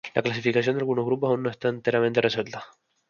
La clasificación de algunos grupos aun no está enteramente resuelta.